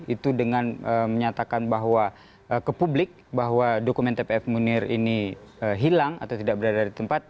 itu dengan menyatakan bahwa ke publik bahwa dokumen tpf munir ini hilang atau tidak berada di tempat